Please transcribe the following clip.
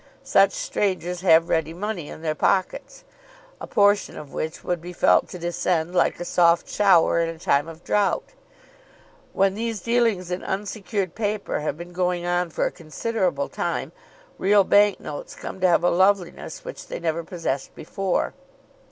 Such strangers have ready money in their pockets, a portion of which would be felt to descend like a soft shower in a time of drought. When these dealings in unsecured paper have been going on for a considerable time real bank notes come to have a loveliness which they never possessed before.